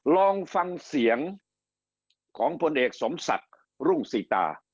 ลองฟังเสียงของพลเอกสมศักดิ์รุ่งสิตา